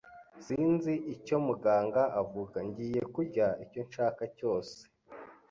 Sinzi icyo muganga avuga. Ngiye kurya icyo nshaka cyose.